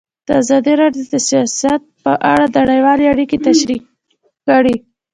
ازادي راډیو د سیاست په اړه نړیوالې اړیکې تشریح کړي.